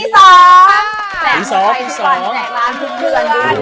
แดกไทยทุกคนแดกร้านทุกคน